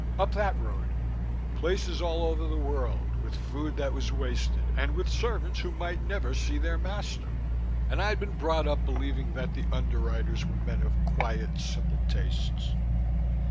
Up that road." Places all over the world, with food that was wasted, and with servants who might never see their master! And I'd been brought up believing that the Underwriters were men of quiet, simple tastes!